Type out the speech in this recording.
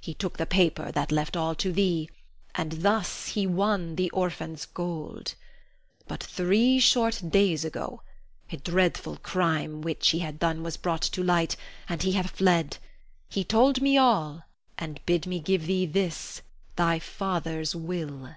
He took the paper that left all to thee, and thus he won the orphan's gold. But three short days ago, a dreadful crime which he had done was brought to light, and he hath fled. He told me all and bid me give thee, this, thy father's will.